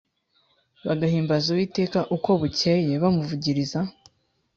bagahimbaza Uwiteka uko bukeye bamuvugiriza